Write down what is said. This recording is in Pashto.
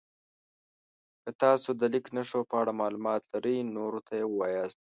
که تاسو د لیک نښو په اړه معلومات لرئ نورو ته یې ووایاست.